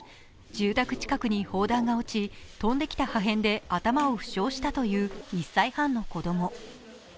住宅近くに砲弾が落ち、飛んできた破片で頭を負傷したという１歳半の子供。